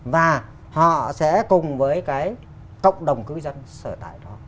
và họ sẽ cùng với cái cộng đồng cư dân sở tại đó